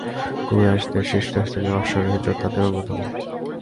কুরাইশদের শীর্ষস্থানীয় অশ্বারোহী যোদ্ধাদের অন্যতম।